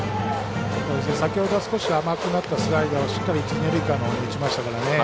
先ほど少し甘くなったスライダーをしっかり、一、二塁間のほうに打ちましたからね。